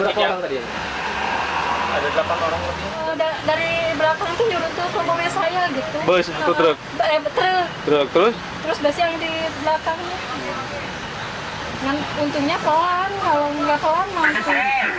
untungnya kelam kalau nggak kelam maksudnya